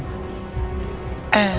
gimana bisa ketemu sama ibu